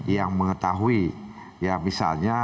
yang mengetahui ya misalnya